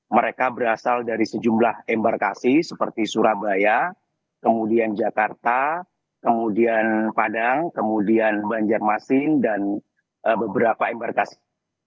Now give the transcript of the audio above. mereka berasal dari sejumlah embarkasi seperti surabaya kemudian jakarta kemudian padang kemudian banjarmasin dan beberapa embarkasi